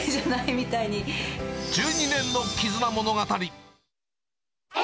１２年の絆物語。